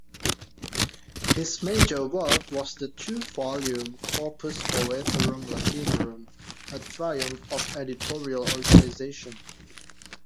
His major work was the two-volume "Corpus Poetarum Latinorum", a triumph of editorial organisation.